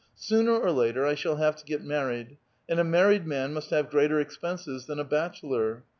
Sooner or later I shall have to get married, and a married man must have greater expenses than a bachelor.